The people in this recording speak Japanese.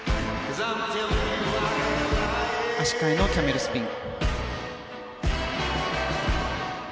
足換えのキャメルスピン。